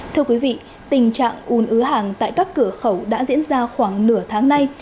thưa quý vị tình trạng ùn ứ hàng tại các cửa khẩu đã diễn ra khoảng nửa tháng nay